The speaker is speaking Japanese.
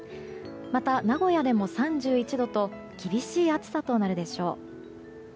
また、名古屋でも３１度と厳しい暑さとなるでしょう。